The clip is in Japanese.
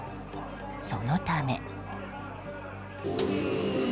そのため。